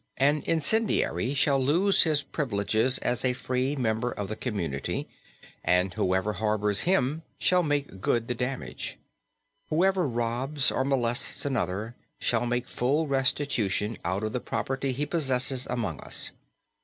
An incendiary shall lose his privileges as a free member of the community, and whoever harbors him shall make good the damage. Whoever robs or molests another shall make full restitution out of the property he possesses among us.